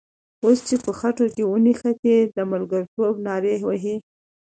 اوس چې په خټو کې ونښتې د ملګرتوب نارې وهې.